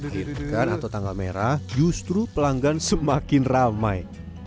di irkan atau tanggal merah justru pelanggan semakin ramai